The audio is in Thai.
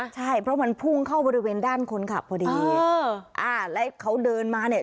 ใช่เพราะมันพุ่งเข้าบริเวณด้านคนขับพอดีเอออ่าแล้วเขาเดินมาเนี่ย